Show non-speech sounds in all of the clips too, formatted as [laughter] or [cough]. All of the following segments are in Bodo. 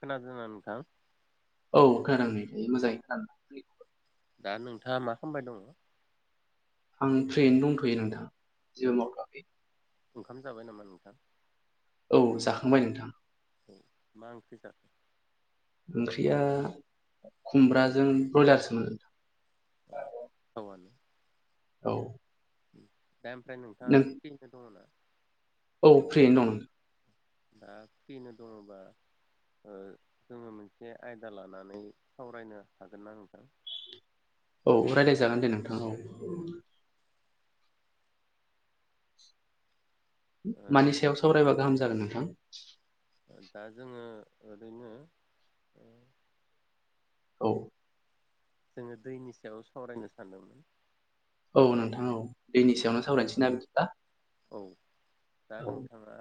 खोनादों ना नोंथां औ खनायदों नै मोजाङै [unintelligible] दा नोंथाङा मा खालामबाय दङ आं फ्रियैनो दंथयो नोंथां जेबो मावथवाखै ओंखाम जाबाय नामा नोंथां औ जाखांबाय नोंथां औ मा ओंख्रि जाखो ओंख्रिया खुमब्राजों ब्रयलारसो मोन औ औआनो औ दा ओमफ्राय नों नोंथाङा फ्रिफोर दङ नामा औ फ्रि नं दा फ्रिनो दङबा जोङो मोनसे आयदा लानानै सावरायनो हागोन ना नोंथां औ राय्लायजागोन दे नोंथां मानि ओ सायाव सावरायबा गाहाम जागोन नोंथां दा जोङो ओरैनो औ जोङो दैनि सायाव सावरायनो सानदोंमोन औ नोंथां औ दैनि सायावनो सावरायनोसै ना बिदिल्बा औ दा नोंथाङा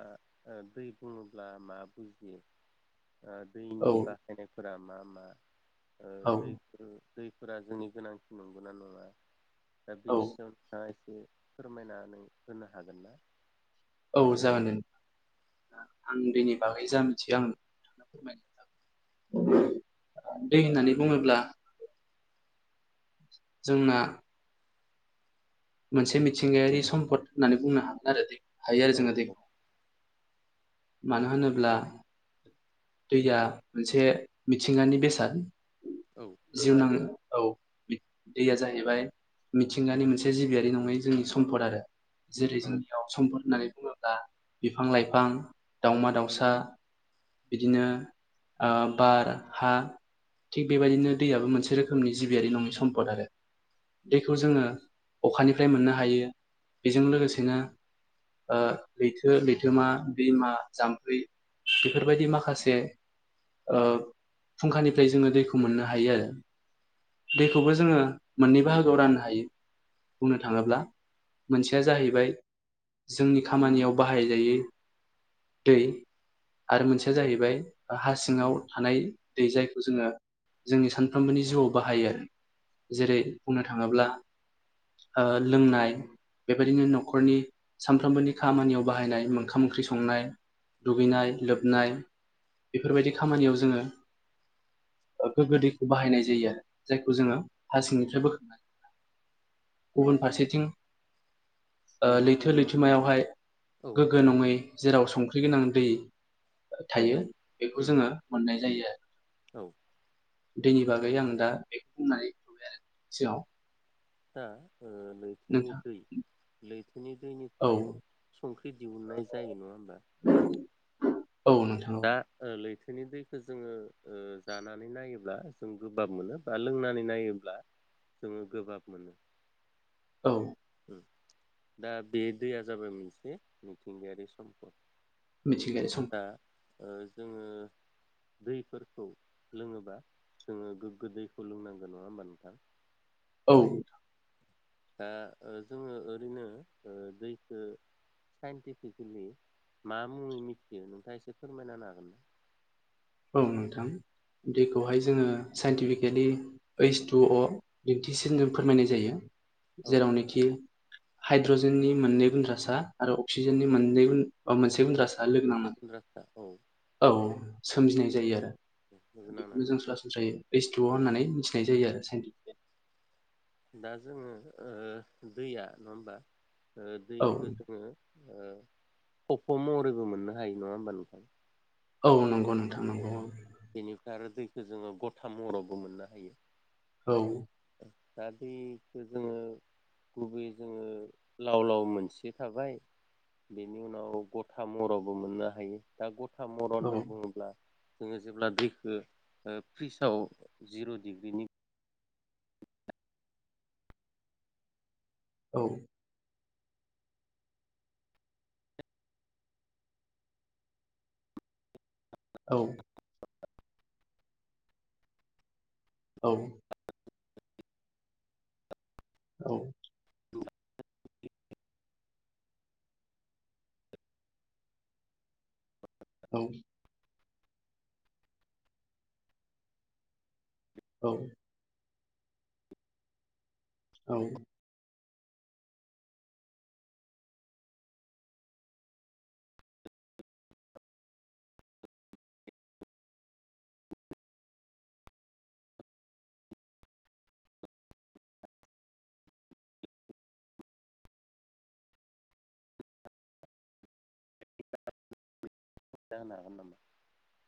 दै बुङोब्ला मा बुजियो औ दैनि बाहायनायफोरा मा मा औ दै दैफोरा जोंनि गोनांथि नंगौना नङा दा औ बिनि सायावा एसे फोरमायनानै होनो हागोन ना औ जागोन दे आं बेनि बागै जा मिथियो आं नोंथांनो फोरमाय दै होननानै बुङोब्ला जोंना मोनसे मिथिंगायारि सम्पद होननानै बुंनो हागोन आरो दै हायो आरो औ जोङो औ दैखौ मानो होनोब्ला दैया मोनसे मिथिंगानि बेसाद औ जिउ नाङ औ दैया जाहैबाय मिथिंगानि मोनसे मोनसे जिबियारि नङै जोंनि सम्पद आरो जेरै जोंनियाव सम्पद- होननानै बुङोब्ला बिफां लाइफां दावमा दाउसा बिदिनो बार हा- थिग बेबायदिनो दैयाबो मोनसे रोखोमनि जिबियारि नङि सम्पद आरो दैखौ जोङो अखानिफ्राय मोननो हायो बेजों लोगोसेनो- लैथो लैथोमा दैमा जाम्फै बेफोरबायदि माखासे- फुंखानिफ्राय जोङो दैखौ मोननो हायो आरो। दैखौबो जोङो मोननै बाहागोआव राननो हायो। बुंनो थाङोब्ला मोनसेया जाहैबाय जोंनि खामानियाव बाहायजायो दै आरो मोनसेया जाहैबाय हा सिङाव थानाय दै जायखौ जोङो जोंनि सानफ्रोमबोनि जिउआव बाहायो आरो जेरै बुंनो थाङोब्ला लोंनाय बेबायदिनो न'खरनि सानफ्रोमबोनि खामानियाव बाहायनाय ओंखाम ओंख्रि संनाय दुगैनाय लोबनाय बेफोरबायदि खामानियाव जोङो गोग्गो दैखौ बाहायनाय जायो जायखौ जोङो हा सिंनिफ्राय बोखांनानै गुबुन फारसेथिं लैथो लैथोमायावहाय औ गोग्गो नङै जेराव संख्रि गोनां दै औ थायो बेखौ उम जोङो मोननाय जायो औ आरो दैनि बागै आं दा बेखौ बुंनानै होबायआरो नोंनि सिगाङाव दा ओ लैथोनि नोंथाङ दै लैथोनि औ दैनिफ्राय संख्रि दिहुननाय जायो नङा होमबा? औ नोंथां औ दा लो लै बिनि दैखो जोङो जानानै नायोब्ला जों गोबाब मोनो बा लोंनानै नायोब्ला जोङो गोबाब मोनो। औ। दा बे दैया जाबाय मोनसे मिथिंगायारि सम्पद। मिथिंगायारि सम्पद। दा ओ जोङो दैफोरखौ लोङोबा जोङो गोगो दैखौ लोंनांगोन नङा होमबा नोंथां? औ। दा जोङो ओरैनो ओ दैखो साइन्टिफिकेलि मा मुङै मिथियो नोंथाङा एसे फोरमायना हागोन ना? औ नोंथां। दैखौहाय जोङो साइन्टिफिकेलि ओइस टु अ दिन्थिसिन जों फोरमायनाय जायो। औ जेरावनोखि हाइद्रजेननि मोननै गुन्द्रासा आरो अक्सिजेननि मोननै अ मोनसे गुन्द्रासा। लोगो मोनसे नांनानै गुन्द्रासा। औ औ सोमजिनाय जायो आरो लोगो बेखौनो नांनानै जों सरासनस्रायै ज होननानै मिथिनाय जायो आरो। दा जोङो ओ दैया नङा होमबा ओ औ दैखौ जोङो ओ फफ' महरैबो मोननो हायो नङा होमबा नोंथां? औ नंगौ नोंथां नंगौ औ। बेनिफ्राय आरो दैखौ जोङो गथा महरावबो मोननो हायो। औ दा दैखौ जोङो गुबैयै जोङो लाव लाव मोनसे थाबाय बेनि उनाव गथा महरावबो मोननो हायो दा गथा महर औ होनना बुङोब्ला जोङो जेब्ला दैखौ ओ फ्रिजआव जिर' डिग्रिनि औ। औ। औ। औ। औ। औ। औ। [unintelligible] [inaudible]